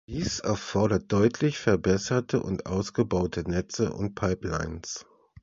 Dies erfordert deutlich verbesserte und ausgebaute Netze und Pipelines.